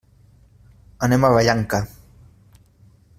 Anem a Vallanca.